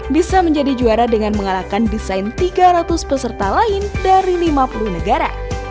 bisa menjadi juara dengan mengalahkan desain tiga ratus peserta lain dari lima puluh negara